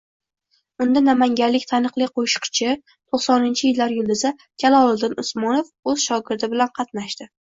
Unda namanganlik taniqli qoʻshiqchi, toʻqsoninchi yillar yulduzi Jaloliddin Usmonov oʻz shogirdi bilan qatnashdi.